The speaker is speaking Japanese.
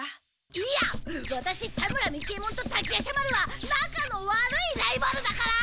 いやワタシ田村三木ヱ門と滝夜叉丸は仲の悪いライバルだから！